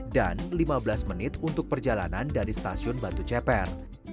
dan lima belas menit untuk perjalanan dari stasiun batu jeper